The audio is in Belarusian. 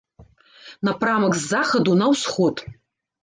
Напрамак з захаду на ўсход.